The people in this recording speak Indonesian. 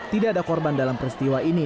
tidak ada korban dalam peristiwa ini